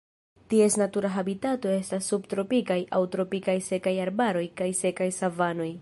Ties natura habitato estas subtropikaj aŭ tropikaj sekaj arbaroj kaj sekaj savanoj.